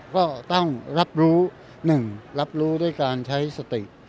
ก็ต้องรับรู้๑รับรู้ด้วยการใช้สติ